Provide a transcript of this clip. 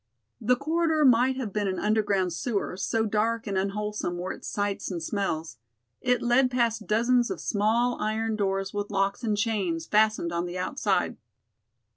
The corridor might have been an underground sewer, so dark and unwholesome were its sights and smells. It led past dozens of small iron doors with locks and chains fastened on the outside.